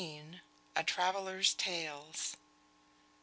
A TRAVELLER'S TALES.